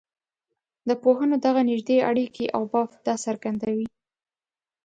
د پوهنو دغه نږدې اړیکي او بافت دا څرګندوي.